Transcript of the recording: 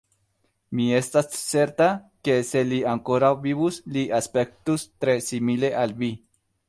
Mi estas certa, ke, se li ankoraŭ vivus, li aspektus tre simile al vi.